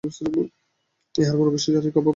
ইহার পর অবশ্য শারীরিক অভাব পূরণে সাহায্য করার স্থান।